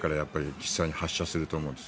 実際に発射すると思うんです。